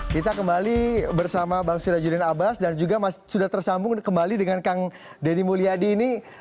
kita kembali bersama bang sirajudin abbas dan juga sudah tersambung kembali dengan kang deddy mulyadi ini